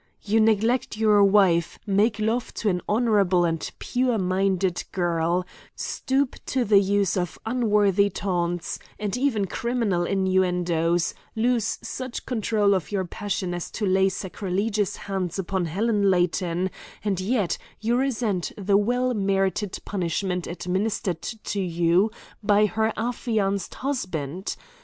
"You neglect your wife, make love to an honourable and pure minded girl, stoop to the use of unworthy taunts and even criminal innuendos, lose such control of your passion as to lay sacrilegious hands upon Helen Layton, and yet you resent the well merited punishment administered to you by her affianced husband.